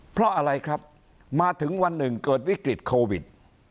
เพราะอะไรครับมาถึงวันหนึ่งเกิดวิกฤตโควิด